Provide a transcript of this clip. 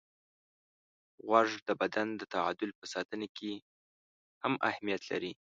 غوږ د بدن د تعادل په ساتنه کې هم اهمیت لري.